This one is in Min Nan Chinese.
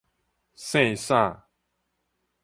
姓啥